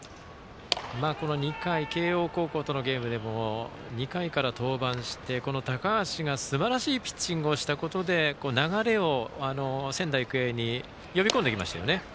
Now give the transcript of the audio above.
慶応高校とのゲームでも２回から登板して、この高橋がすばらしいピッチングをしたことで流れを仙台育英に呼び込んできましたよね。